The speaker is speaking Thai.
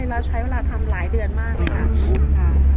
แล้วใช้เวลาทำหลายเดือนมากเลยค่ะ